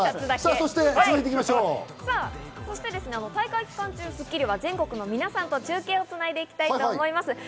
そして大会期間中、『スッキリ』は全国の皆さんと中継をつないでいきたいと思います。